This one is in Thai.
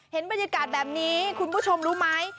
เห็นบรรยากาศแบบนี้คุณผู้ชมรู้ไหม